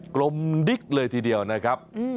กลมดิ๊กเลยทีเดียวนะครับ